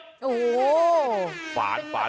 โอ้โห